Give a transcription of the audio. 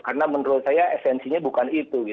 karena menurut saya esensinya bukan itu